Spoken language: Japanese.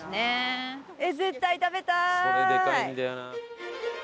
それでかいんだよな。